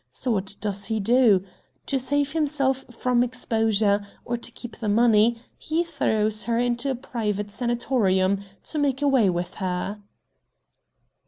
So what does he do? To save himself from exposure, or to keep the money, he throws her into this private sanatorium, to make away with her."